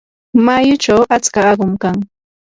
mayuchaw atska aqum kan.